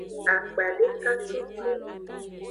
Akpadeka cucu.